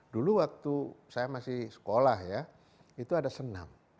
dulu waktu saya masih sekolah ya itu ada senam